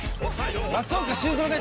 松岡修造です！